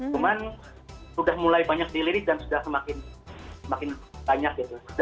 cuma sudah mulai banyak dilerik dan sudah semakin banyak